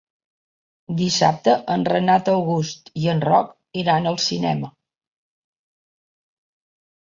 Dissabte en Renat August i en Roc iran al cinema.